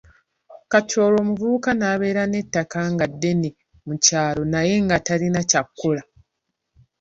Kati olwo omuvubuka abeere n'ettaka nga ddene mu kyalo naye nga talina ky'akola?